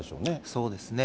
そうですね。